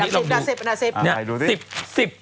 นาสิป